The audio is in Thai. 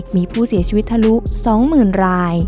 มีผู้เสียชีวิตทะลุ๒๐๐๐ราย